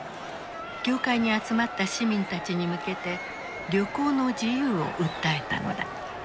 教会に集まった市民たちに向けて旅行の自由を訴えたのだ。